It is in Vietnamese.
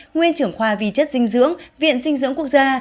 nguyên trưởng khoa vi chất dinh dưỡng viện dinh dưỡng quốc gia